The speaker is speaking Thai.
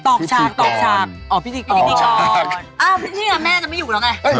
ตอกชาพตอกชาพอ๋อพิธีกรคุณภูมิแม่ก็ไม่อยู่แล้วไง